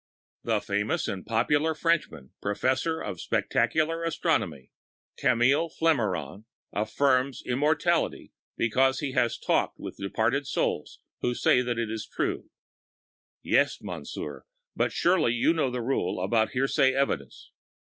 The famous and popular Frenchman, Professor of Spectacular Astronomy, Camille Flammarion, affirms immortality because he has talked with departed souls who said that it was true. Yes, Monsieur, but surely you know the rule about hearsay evidence.